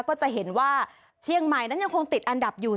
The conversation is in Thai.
ก็จะเห็นว่าเชียงใหม่นั้นยังคงติดอันดับอยู่